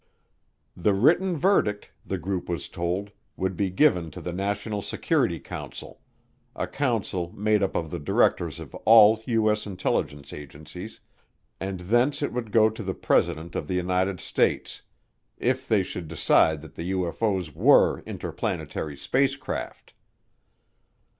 The written verdict, the group was told, would be given to the National Security Council, a council made up of the directors of all U.S. intelligence agencies, and thence it would go to the President of the United States if they should decide that the UFO's were interplanetary spacecraft.